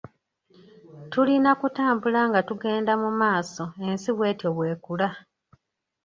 Tulina kutambula nga tugenda mu maaso ensi bw'etyo bw'ekula.